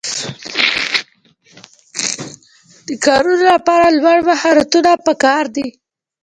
د کارونو لپاره لوړ مهارتونه پکار دي.